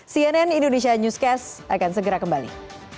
cnn indonesia newscast akan segera kembali